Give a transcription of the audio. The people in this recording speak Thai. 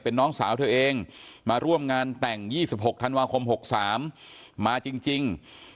น้องสาวเธอเองมาร่วมงานแต่ง๒๖ธันวาคม๖๓มาจริง